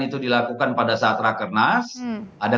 itu dilakukan pada saat rakernas ada